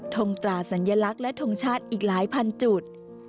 ทงตราสัญลักษณ์และทงชาติอีกหลายพันจุด